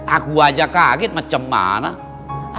aku aja kaget macam mana